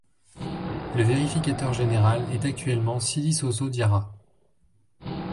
Le vérificateur général est actuellement Sidi Sosso Diarra.